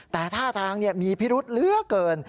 แต่ท่าทางมีพิรุษเหลือเกิน